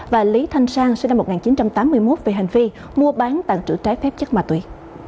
và lý thanh sang sinh năm một nghìn chín trăm tám mươi một về hành vi mua bán tặng trữ trái phép chất ma túy